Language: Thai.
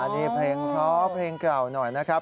นี่เพลงท้อเพลงกล่าวหน่อยนะครับ